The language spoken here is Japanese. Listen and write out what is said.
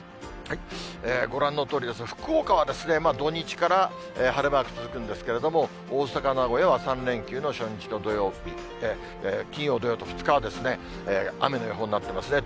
ご覧のとおりですね、福岡は土日から晴れマーク続くんですけれども、大阪、名古屋は３連休の初日の土曜日、金曜、土曜と２日は雨の予報になってますね。